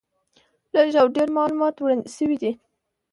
لږ او ډېر معلومات وړاندې شوي دي.